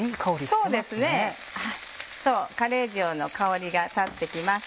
そうカレー塩の香りが立って来ます。